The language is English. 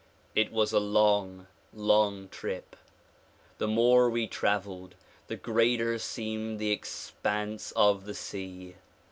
It was a long, long trip. The more we traveled the greater seemed the expanse of the sea.